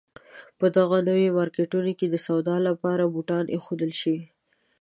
په دغو نویو مارکېټونو کې د سودا لپاره بوتان اېښودل شوي.